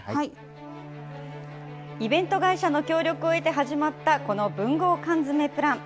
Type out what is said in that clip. イベント会社の協力を得て始まったこの文豪缶詰プラン。